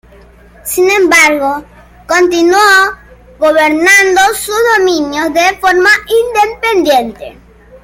Sin embargo, continuó gobernando sus dominios de forma independiente.